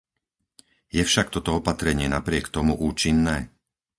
Je však toto opatrenie napriek tomu účinné?